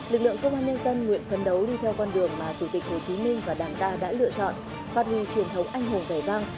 lực lượng công an nhân dân nguyện phấn đấu đi theo con đường mà chủ tịch hồ chí minh và đảng ta đã lựa chọn phát huy truyền thống anh hùng vẻ vang